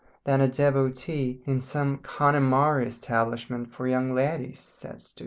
Then a devotee in some Connemara Establishment for Young Ladies sets to.